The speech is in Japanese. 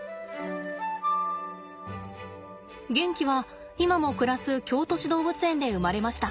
ゲンキは今も暮らす京都市動物園で生まれました。